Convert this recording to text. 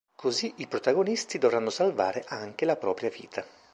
Così i protagonisti dovranno salvare anche la propria vita.